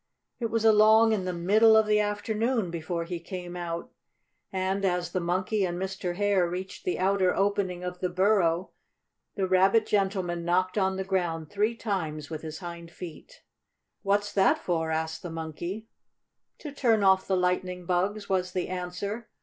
It was along in the middle of the afternoon before he came out, and as the Monkey and Mr. Hare reached the outer opening of the burrow the rabbit gentleman knocked on the ground three times with his hind feet. "What's that for?" asked the Monkey. "To turn off the lightning bugs," was the answer.